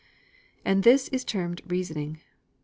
And this is termed reasoning!